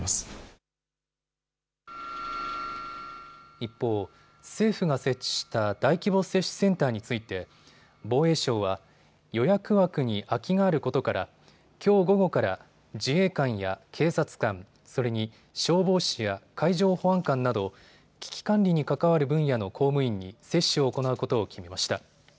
一方、政府が設置した大規模接種センターについて防衛省は予約枠に空きがあることからきょう午後から自衛官や警察官、それに消防士や海上保安官など危機管理に関わる分野の公務員に接種を行うことを決めました。